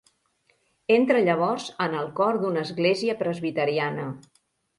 Entra llavors en el cor d'una església presbiteriana.